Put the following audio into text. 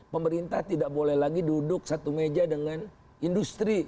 pemerintah tidak boleh lagi duduk satu meja dengan industri